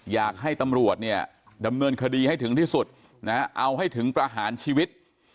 อยากให้ตำรวจเนี่ยดำเนินคดีให้ถึงที่สุดนะเอาให้ถึงประหารชีวิต